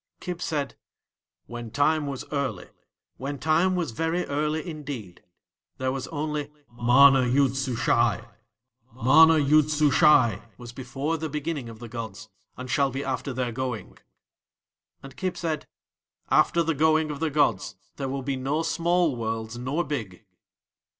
Kib said: "When Time was early, when Time was very early indeed there was only MANA YOOD SUSHAI. MANA YOOD SUSHAI was before the beginning of the gods, and shall be after their going." And Kib said: "After the going of the gods there will be no small worlds nor big."